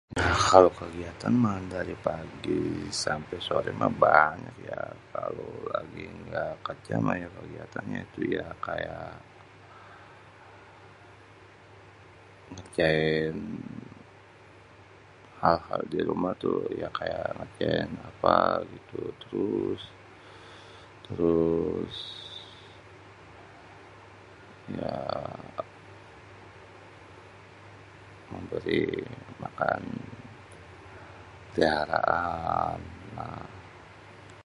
Kalo kegiatan mah dari pagi sampe sore mah banyak, ya. Kalo lagi ga kerja mah kegiatanya itu ya kayak, ngerjain hal-hal di rumah tuh kayak ngerjain apa gitu terus, terus, ya... memberi makan piaraan.